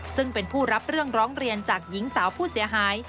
ซึ่งเป็นผู้รับเรื่องร้องเรียนจากหญิงสาวผู้เสียหาย